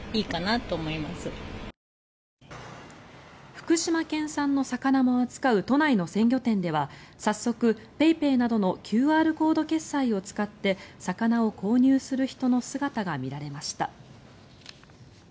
福島県産の魚も扱う都内の鮮魚店では早速、ＰａｙＰａｙなどのＱＲコード決済を使って魚を購入する人の姿が見られました。